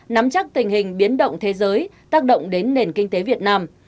nắm chắc tình hình biến động thế giới tác động đến nền kinh tế việt nam